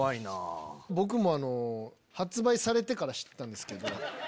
僕も発売されてから知ったんですけど。